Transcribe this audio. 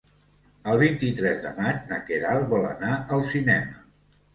El vint-i-tres de maig na Queralt vol anar al cinema.